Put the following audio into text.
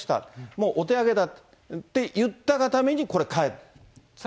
もうお手上げって言ったがために、これ、返ってきた。